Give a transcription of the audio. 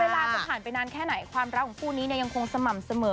เวลาจะผ่านไปนานแค่ไหนความรักของคู่นี้เนี่ยยังคงสม่ำเสมอ